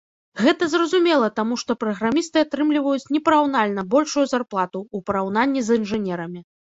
Гэта зразумела, таму што праграмісты атрымліваюць непараўнальна большую зарплату, у параўнанні з інжынерамі.